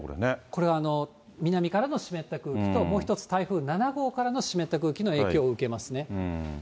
これは、南からの湿った空気ともう１つ、台風７号からの湿った空気の影響を受けますね。